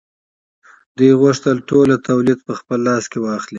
دوی غوښتل ټول تولید په خپل لاس کې واخلي